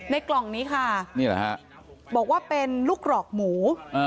ในกล่องนี้ค่ะบอกว่าเป็นลูกหลอกหมู